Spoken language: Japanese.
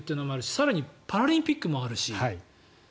更に、パラリンピックもあるし。